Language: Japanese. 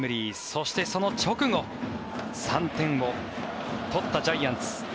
そして、その直後３点を取ったジャイアンツ。